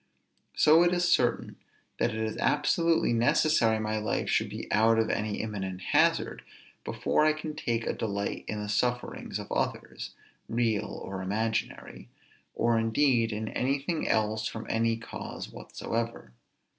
So it is certain that it is absolutely necessary my life should be out of any imminent hazard, before I can take a delight in the sufferings of others, real or imaginary, or indeed in anything else from any cause whatsoever.